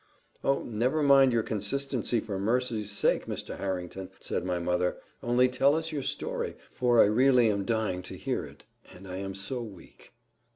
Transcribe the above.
"Oh! never mind your consistency, for mercy's sake, Mr. Harrington," said my mother, "only tell us your story, for I really am dying to hear it, and I am so weak."